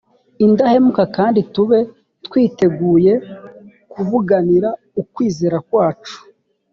indahemuka kandi tube twiteguye kuvuganira ukwizera kwacu